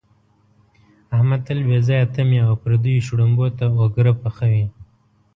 احمد تل بې ځایه تمې او پردیو شړومبو ته اوګره پحوي.